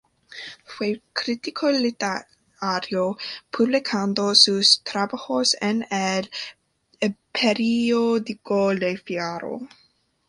Fue crítico literario, publicando sus trabajos en el periódico "Le Figaro".